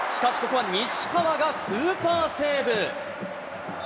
しかしここは西川がスーパーセーブ。